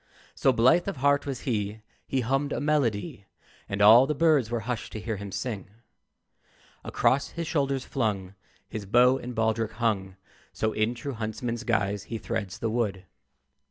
So blithe of heart was he, He hummed a melody, And all the birds were hushed to hear him sing. Across his shoulders flung His bow and baldric hung: So, in true huntsman's guise, he threads the wood.